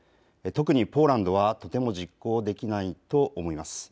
特にポーランドはとても実行できないと思います。